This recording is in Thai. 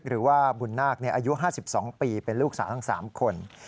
หรือว่าบุญนาคอายุ๕๒ปีเป็นลูกสาวทั้ง๓คน